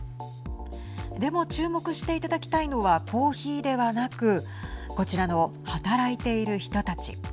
でも注目していただきたいのはコーヒーではなくこちらの働いている人たち。